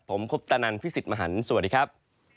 ผมคุปตะนันพี่สิทธิ์มหันฯสวัสดีครับ